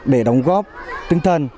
để đóng góp tinh thần